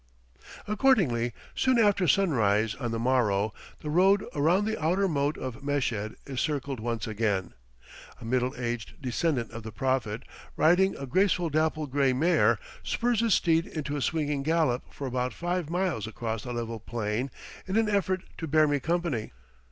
Accordingly, soon after sunrise on the morrow, the road around the outer moat of Meshed is circled once again. A middle aged descendant of the Prophet, riding a graceful dapple gray mare, spurs his steed into a swinging gallop for about five miles across the level plain in an effort to bear me company.